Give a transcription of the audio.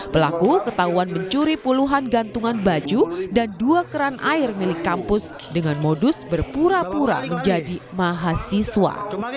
pelaku ketahuan mencuri puluhan gantungan baju dan dua keran air milik kampus dengan modus berpura pura menjadi mahasiswa